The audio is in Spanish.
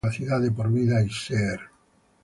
que puede causar discapacidad de por vida y ser